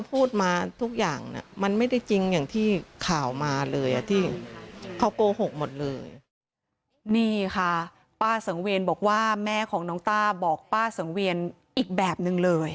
นี่ค่ะป้าสังเวียนบอกว่าแม่ของน้องต้าบอกป้าสังเวียนอีกแบบนึงเลย